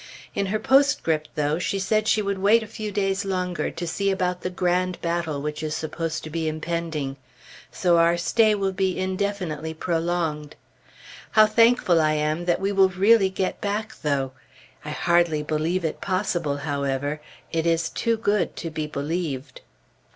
In her postscript, though, she said she would wait a few days longer to see about the grand battle which is supposed to be impending; so our stay will be indefinitely prolonged. How thankful I am that we will really get back, though! I hardly believe it possible, however; it is too good to be believed.